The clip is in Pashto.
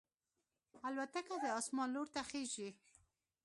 الوتکه د اسمان لور ته خېژي.